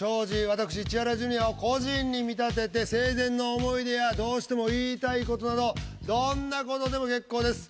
私千原ジュニアを故人に見立てて生前の思い出やどうしても言いたいことなどどんなことでも結構です。